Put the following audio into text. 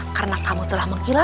karena kamu telah membersihkan